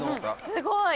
すごい！